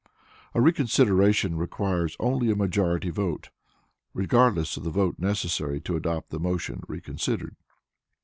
A reconsideration requires only a majority vote, regardless of the vote necessary to adopt the motion reconsidered.